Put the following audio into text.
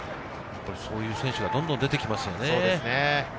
そういう選手がどんどん出てきますよね。